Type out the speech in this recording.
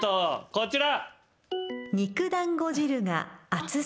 こちら。